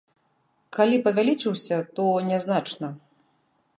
Калі павялічыўся, то нязначна.